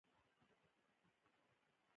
آیا د پیغلو منګي د ګودر ښکلا نه ده؟